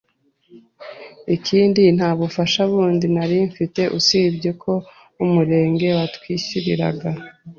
Ikindi nta bufasha bundi nari mfite usibye ko umurenge watwishyuriraga